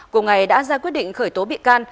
cùng ngày đã ra quyết định khởi tố bị can